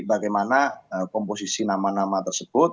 bagaimana komposisi nama nama tersebut